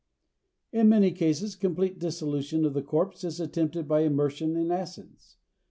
In many cases complete dissolution of the corpse is attempted by immersion in acids.